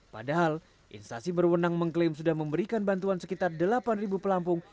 padahal instasi berwenang mengklaim sudah memberikan bantuan sekitar delapan pelampung